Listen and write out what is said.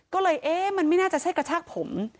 ก็เลยเอ๊ะมันไม่น่าจะใช่กระชากผม